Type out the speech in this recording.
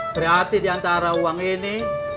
berarti diantara uang ini